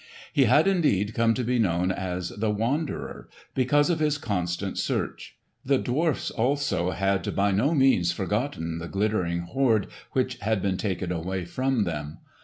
He had indeed come to be known as the "Wanderer" because of his constant search. The dwarfs also had by no means forgotten the glittering hoard which had been taken away from them.